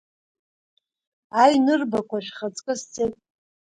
Аинырбақәа шәхаҵкы сцеит!